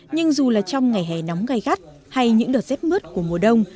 nhưng dù là trong ngày hè nóng gai gắt hay những đợt dết mướt của mùa đông